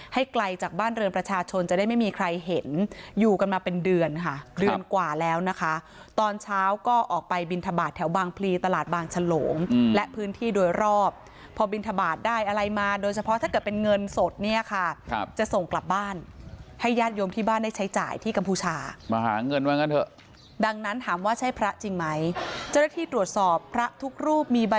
ไกลจากบ้านเรือนประชาชนจะได้ไม่มีใครเห็นอยู่กันมาเป็นเดือนค่ะเดือนกว่าแล้วนะคะตอนเช้าก็ออกไปบินทบาทแถวบางพลีตลาดบางฉลงและพื้นที่โดยรอบพอบินทบาทได้อะไรมาโดยเฉพาะถ้าเกิดเป็นเงินสดเนี่ยค่ะจะส่งกลับบ้านให้ญาติโยมที่บ้านได้ใช้จ่ายที่กัมพูชามาหาเงินว่างั้นเถอะดังนั้นถามว่าใช่พระจริงไหมเจ้าหน้าที่ตรวจสอบพระทุกรูปมีบ